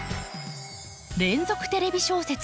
連続テレビ小説